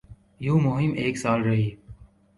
یوں مہم ایک سال رہی۔